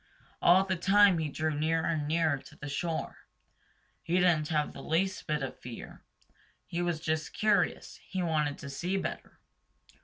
All the time he drew nearer and nearer to the shore. He didn't have the least bit of fear. He was just curious. He wanted to see better.